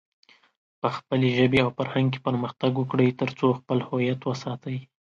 په خپلې ژبې او فرهنګ کې پرمختګ وکړئ، ترڅو خپل هويت وساتئ.